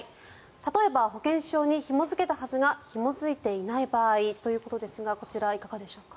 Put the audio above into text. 例えば保険証にひも付けたはずがひも付いていない場合ということですがこちらいかがでしょうか。